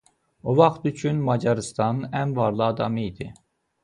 O vaxt üçün Macarıstanın ən varlı adamı idi.